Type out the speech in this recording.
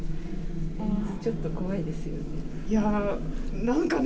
ちょっと怖いですよね。